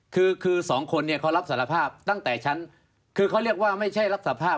คือเขาเรียกว่าไม่ใช่รับสารภาพ